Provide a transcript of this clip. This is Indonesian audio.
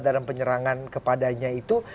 dalam penyerangan kepadanya itu